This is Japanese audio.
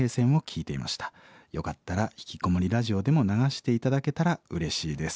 よかったら『ひきこもりラジオ』でも流して頂けたらうれしいです」。